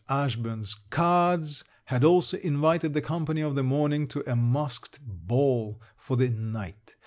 Ashburn's cards had also invited the company of the morning to a masqued ball for the night.